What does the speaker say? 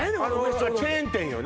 チェーン店よね